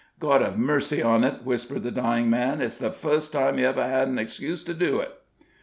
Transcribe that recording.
"God hev mercy on it!" whispered the dying man; "it's the fust time He ever had an excuse to do it."